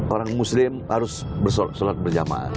orang muslim harus bersolat berjamaah